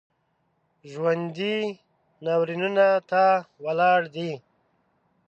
ژوندي ناورینونو ته ولاړ دي